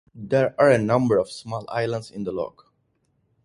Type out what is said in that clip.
There are a number of small islands in the loch.